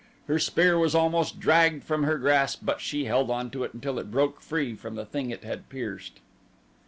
Her spear was almost dragged from her grasp, but she held to it until it broke free from the thing it had pierced.